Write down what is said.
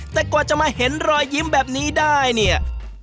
แต่กว่าจะมาเห็นรอยยิ้มแบบนี้ได้เนี่ย